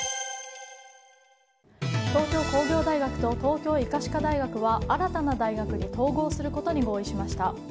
東京工業大学と東京医科歯科大学は新たな大学に統合することに合意しました。